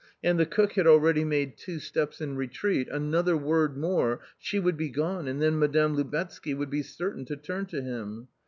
And the cook had already made two steps in retreat, another word more — she would be gone, and then Madame Lubetzky would be certain to turn to him.